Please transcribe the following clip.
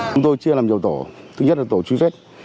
chúng tôi chia làm nhiều tổ thứ nhất là tổ truy vết